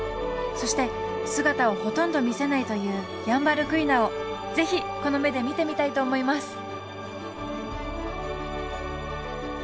そして姿をほとんど見せないというヤンバルクイナを是非この目で見てみたいと思います！